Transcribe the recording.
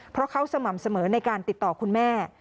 เพราะเขาสม่ำเสมอในการติดต่อคุณแม่